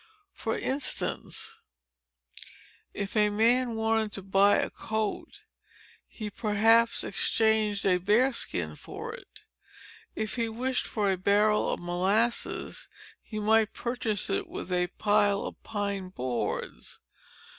For instance, if a man wanted to buy a coat, he perhaps exchanged a bear skin for it. If he wished for a barrel of molasses, he might purchase it with a pile of pine boards.